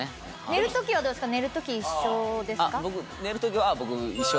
寝る時はどうですか？